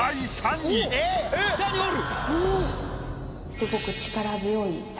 下におる。